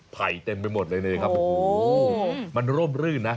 ไตเต็มไปหมดเลยนี่ครับโอ้โหมันร่มรื่นนะ